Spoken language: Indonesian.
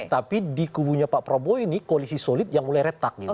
tapi di kubunya pak prabowo ini koalisi solid yang mulai retak gitu